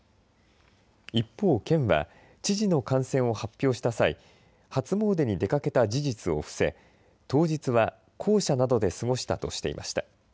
一方、県は知事の感染を発表した際初詣に出かけた事実を伏せ当日は公舎などで過ごしたとしていました。